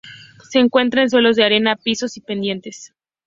Se encuentra en suelos de arena, pisos y pendientes.